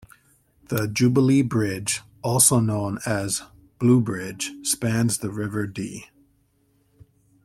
The Jubilee Bridge, also known as the "Blue Bridge", spans the River Dee.